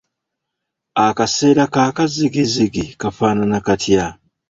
Akaseera k'akazigizigi kafaanana katya?